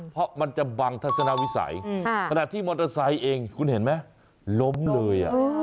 เพราะมันจะบังทัศนวิสัยขณะที่มอเตอร์ไซค์เองคุณเห็นไหมล้มเลย